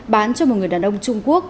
bán cho một người đàn ông trung quốc